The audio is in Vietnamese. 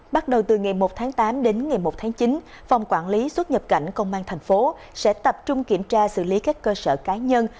bắt đầu từ ngày một tháng tám đến ngày một tháng chín phòng quản lý xuất nhập cảnh công an thành phố sẽ tập trung kiểm tra xử lý các cơ sở cá nhân